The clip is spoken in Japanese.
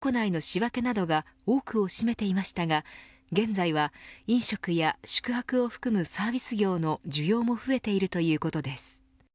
これまでＥコマース拡大に伴う商品の配送や倉庫内の仕分けなどが多くを占めていましたが現在は飲食や宿泊を含むサービス業の需要も増えているということです。